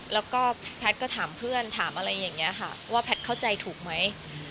แล้วก็แพทย์ก็ถามเพื่อนถามอะไรอย่างนี้ค่ะว่าแพทย์เข้าใจถูกไหม